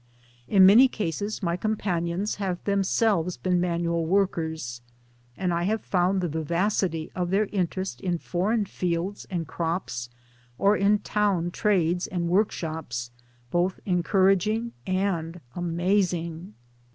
In many cases my companions have themselves been manual workers, and I have found the vivacity of their interest in foreign fields and crops or in town trades and workshops both encouraging and amazing.